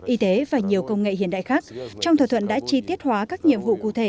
y tế và nhiều công nghệ hiện đại khác trong thỏa thuận đã chi tiết hóa các nhiệm vụ cụ thể